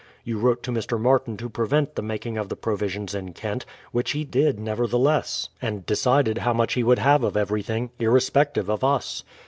You wrote to Air. Martin to prevent the making of the provisions in Kent; which he did nevertheless, and decided how much he would have of everything, irrespective of us.